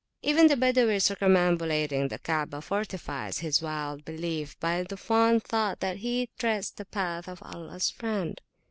Even the Badawi circumambulating the Kaabah fortifies his wild belief by the fond thought that he treads the path of Allahs friend.